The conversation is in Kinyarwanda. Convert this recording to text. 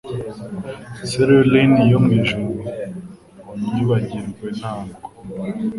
cerulean yo mwijuru unyibagirwentabwo